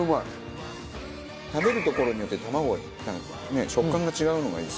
食べるところによって卵の食感が違うのがいいですね。